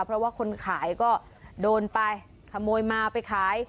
เพราะว่าคนขายก็โดนไปขโมยมาไปขาย